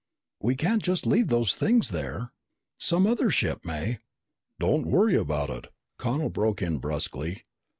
"We can't just leave those things there. Some other ship may " "Don't worry about it," Connel broke in brusquely.